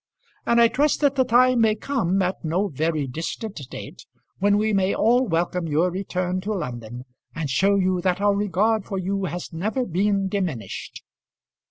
And I trust that the time may come, at no very distant date, when we may all welcome your return to London, and show you that our regard for you has never been diminished.